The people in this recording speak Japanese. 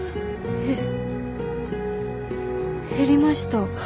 へ減りました。